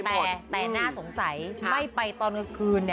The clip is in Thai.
แต่แน่นหน้าสงสัยจะไม่ไปตอนเกือบคืน